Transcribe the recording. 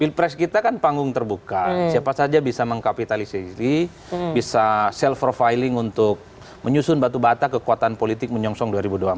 pilpres kita kan panggung terbuka siapa saja bisa mengkapitalisasi bisa self profiling untuk menyusun batu bata kekuatan politik menyongsong dua ribu dua puluh empat